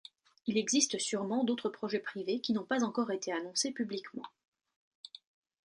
Il existe surement d'autres projets privés qui n'ont pas encore été annoncés publiquement.